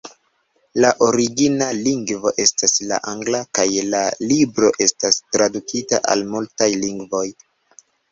La origina lingvo estas la angla, kaj la libro estas tradukita al multaj lingvoj.